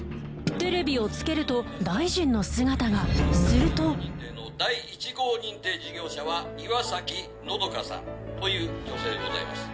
テレビをつけると大臣の姿がすると第１号認定事業者は岩崎和佳さんという女性でございます。